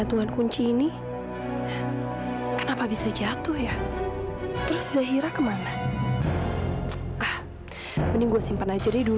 dorong kursi rodanya ke depan